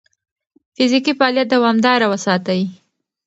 فزیکي فعالیت دوامداره وساتئ.